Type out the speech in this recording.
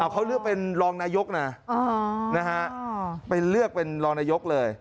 เขาเลือกเป็นรองนายกนะไปเลือกเป็นรองนายกเลย